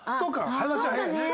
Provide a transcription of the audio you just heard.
話は早いね。